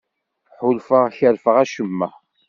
Ḥulfaɣ kerfeɣ acemma.